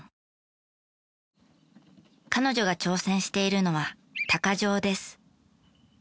彼女が挑戦しているのは鷹匠です。